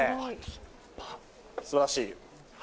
すばらしい！